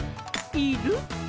いる？